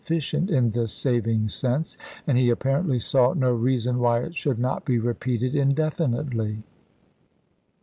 ficient in this saving sense, and he apparently saw no reason why it should not be repeated indefinitely.